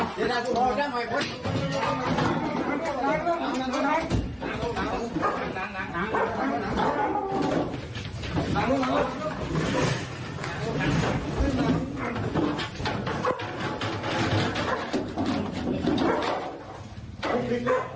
จบอัแคบอล